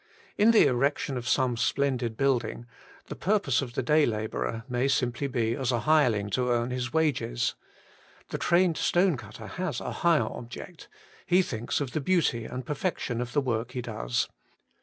In the erection of some splendid building, the purpose of the day labourer may simply be as a hireling to earn his wages. The trained stone cutter has a higher object: he thinks of the beauty and perfection of the work he does.